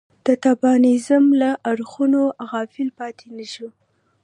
د طالبانیزم له اړخونو غافل پاتې نه شو.